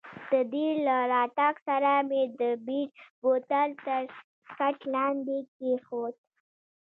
د دې له راتګ سره مې د بیر بوتل تر کټ لاندې کښېښود.